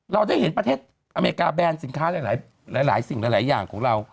เราได้เห็นประเทศอเมริกาแบรนด์สินค้าหลายสิ่งหลายอย่างของเรา